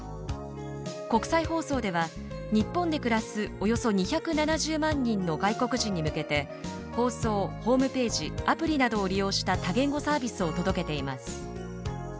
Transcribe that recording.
国際放送では、日本で暮らすおよそ２７０万人の外国人に向けて放送、ホームページアプリなどを利用した多言語サービスを届けています。